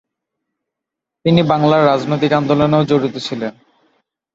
তিনি বাংলার রাজনৈতিক আন্দোলনেও জড়িত ছিলেন।